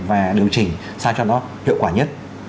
và điều chỉnh sao cho nó hiệu quả nhất